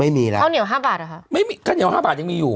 ไม่มีแล้วข้าวเหนียวห้าบาทเหรอคะไม่มีข้าวเหนียวห้าบาทยังมีอยู่